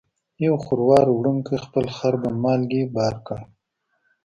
یو خروار وړونکي خپل خر په مالګې بار کړ.